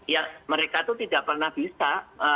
ya mereka itu tidak pernah bisa